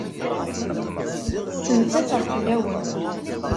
Ttmettateɣ fell-awen.